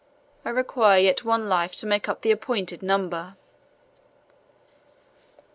I require yet one life to make up the appointed number."